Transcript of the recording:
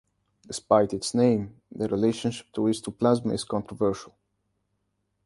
Despite its name, the relationship to "Histoplasma" is controversial.